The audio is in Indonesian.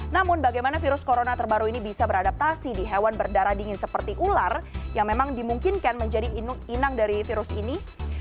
namun bagaimana virus corona terbaru ini bisa beradaptasi di hewan berdarah dingin seperti ular yang memang dimungkinkan menjadi inang dari virus ini